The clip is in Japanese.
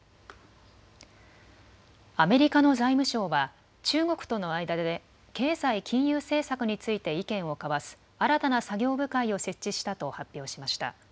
アメリカの財務省は中国との間で経済・金融政策について意見を交わす新たな作業部会を設置したと発表しました。